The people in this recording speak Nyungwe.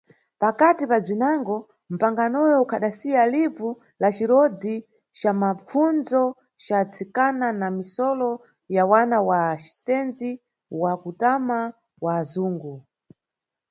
Pakati pa bzwinango, mpanganoyo unkadazisa livu la cirondzi ca mapfundzo ca atsikana na misolo ya wana wa asendzi wa kutama mwa azungu.